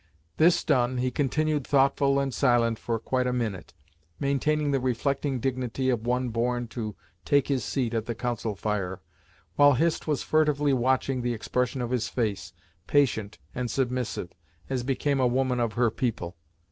This done, he continued thoughtful and silent for quite a minute, maintaining the reflecting dignity of one born to take his seat at the council fire, while Hist was furtively watching the expression of his face, patient and submissive, as became a woman of her people.